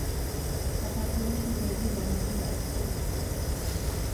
საქართველოში ბევრი ლამაზი ადგილია